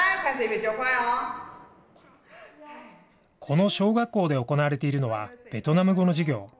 この小学校で行われているのは、ベトナム語の授業。